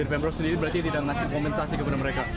dir pembro sendiri berarti tidak ngasih kompensasi kepada mereka